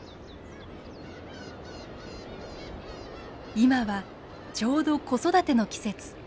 今はちょうど子育ての季節。